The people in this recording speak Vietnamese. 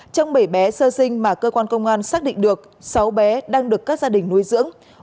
trong bảy bé sơ sinh mà cơ quan công an xác định được sáu bé đang được các gia đình nuôi dưỡng